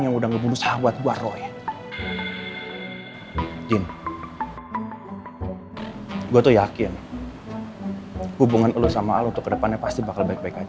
yang udah ngebunuh sahabat gua roy din gue tuh yakin hubungan lu sama alu kedepannya pasti bakal